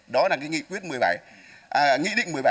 đó là cái nghị quyết một mươi bảy nghị định một mươi bảy